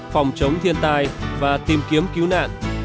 phòng chống thiên tai và tìm kiếm cứu nạn